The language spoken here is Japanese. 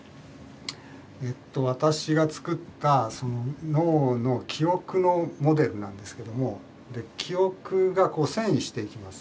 私が作った脳の記憶のモデルなんですけども記憶がこう遷移していきます。